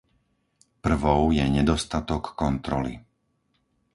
Prvou je nedostatok kontroly.